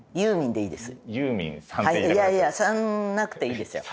いやいや「さん」なくていいですよ。